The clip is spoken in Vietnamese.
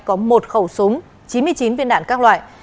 có một khẩu súng chín mươi chín viên đạn các loại